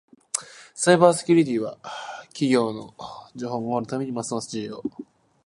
サイバーセキュリティは企業の情報を守るためにますます重要になっている。